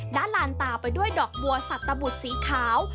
ด้านลานตาไปด้วยดอกบัวสัตว์ตะบุดสีขาว